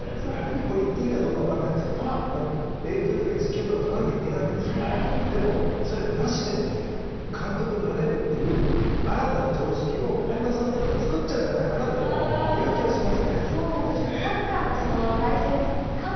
これ、言っていいかどうか分からないですがＡ級とかＳ級取らなきゃいけないんですけどそれがなくても監督になれるという新たな常識を本田さんだったら作っちゃうんじゃないかなという気がします。